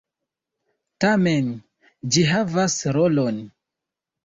Tamen, ĝi havas rolon.